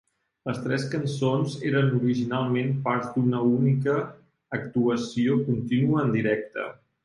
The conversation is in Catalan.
Les tres cançons eren originalment parts d'una única actuació contínua en directe.